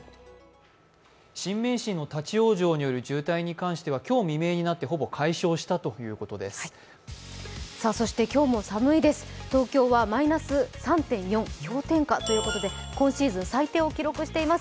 新名神の立往生による渋滞は今日未明になってほぼ解消したということです。